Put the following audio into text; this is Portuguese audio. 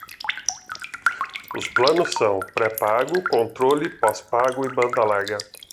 Os planos são: pré-pago, controle, pós-pago e banda larga